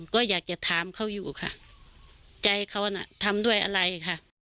ก็อยากจะถามเขาอยู่ค่ะใจเขาน่ะทำด้วยอะไรค่ะ